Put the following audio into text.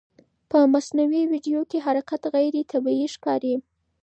په مصنوعي ویډیو کې حرکت غیر طبیعي ښکاري.